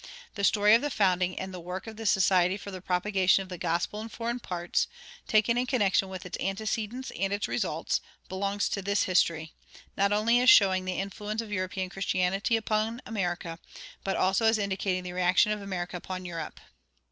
The story of the founding and the work of the Society for the Propagation of the Gospel in Foreign Parts, taken in connection with its antecedents and its results, belongs to this history, not only as showing the influence of European Christianity upon America, but also as indicating the reaction of America upon Europe.